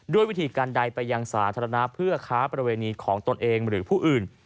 ด้วยวิธีการใดไปยังสาธารณะเพื่อค้าประเวณีของตนเองหรือผู้อื่น